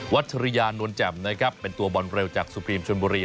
ฉริยานวลแจ่มนะครับเป็นตัวบอลเร็วจากสุพรีมชนบุรี